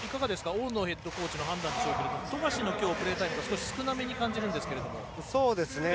大野ヘッドコーチの判断でしょうけど富樫のプレータイムが少し少なめに感じるんですけど。